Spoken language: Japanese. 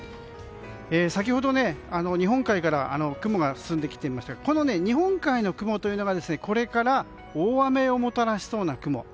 先ほど、日本海から雲が進んできていましたが日本海の雲というのがこれから大雨をもたらしそうな雲。